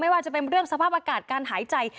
ว่าจะเป็นเรื่องสภาพอากาศการหายใจ